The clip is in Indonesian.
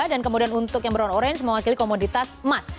dan kemudian untuk yang berwarna orange mewakili komoditas emas